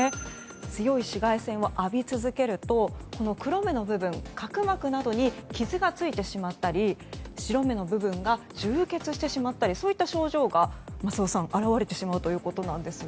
強い紫外線を浴び続けると黒目の部分、角膜などに傷がついてしまったり白目の部分が充血してしまったりそういった症状が松尾さん、表れてしまうということなんです。